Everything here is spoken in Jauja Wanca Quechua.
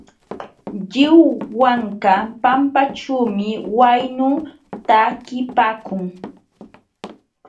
Lliw wanka pampaćhuumi waynu takipaakun.